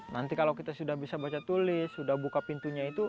nanti kalau kita sudah bisa baca tulis sudah buka pintunya itu